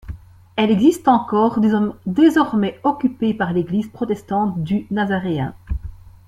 Elle existe encore, désormais occupée par l'Église protestante du Nazaréen.